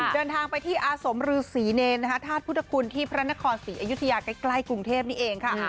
เดินทางไปที่อาสมฤษีเนรธาตุพุทธคุณที่พระนครศรีอยุธยาใกล้กรุงเทพนี่เองค่ะ